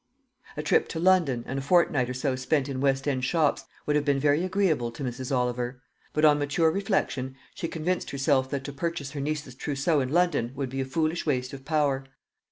A trip to London, and a fortnight or so spent in West end shops, would have been very agreeable to Mrs. Oliver; but on mature reflection she convinced herself that to purchase her niece's trousseau in London would be a foolish waste of power.